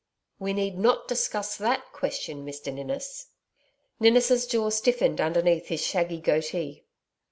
'We need not discuss that question, Mr Ninnis.' Ninnis' jaw stiffened underneath his shaggy goatee.